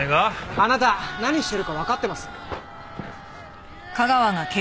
あなた何してるかわかってます？